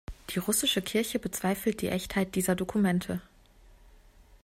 Die Russische Kirche bezweifelt die Echtheit dieser Dokumente.